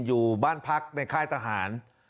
อยู่บ้านพักในค่ายทหาร